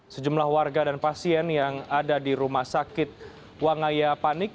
sejumlah warga dan pasien yang ada di rumah sakit wangaya panik